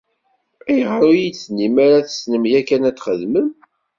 Ayɣer ur iyi-d-tennim ara tessnem yakan ad t-txedmem?